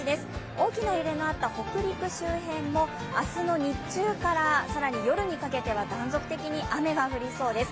大きな揺れがあった北陸周辺も明日の日中から更に夜にかけては断続的に雨が降りそうです。